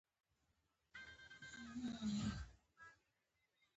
ایا له لمر سره حساسیت لرئ؟